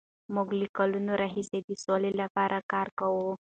موږ له کلونو راهیسې د سولې لپاره کار کوو.